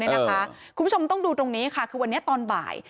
คุณผู้ชมต้องดูตรงนี้ค่ะคือวันนี้ตอนบ่าย